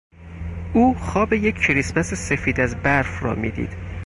او خواب یک کریسمس سفید از برف را میدید.